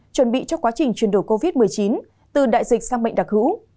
chuẩn bị cho quá trình truyền đổi covid một mươi chín từ đại dịch sang mệnh đặc hữu